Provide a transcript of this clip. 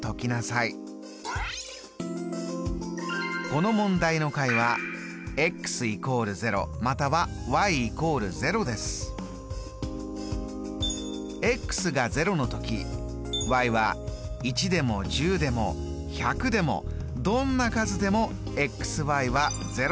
この問題の解はが０のときは１でも１０でも１００でもどんな数でもは０です。